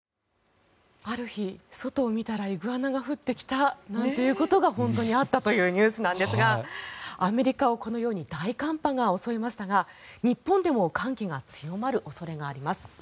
ある日、外を見たらイグアナが降ってきたなんてことが本当にあったというニュースなんですがアメリカはこのように大寒波が襲いましたが日本でも寒気が強まる恐れがあります。